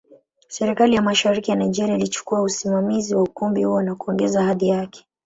Serikali ya Mashariki ya Nigeria ilichukua usimamizi wa ukumbi huo na kuongeza hadhi yake.